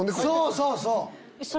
そうそうそう！